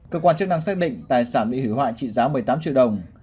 cơ quan chức năng xác định tài sản bị hủy hoại trị giá một mươi tám triệu đồng